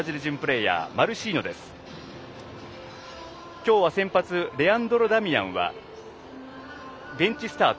きょうは先発レアンドロ・ダミアンはベンチスタート。